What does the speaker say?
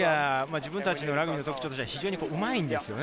自分たちのラグビーの特徴としてうまいんですよね。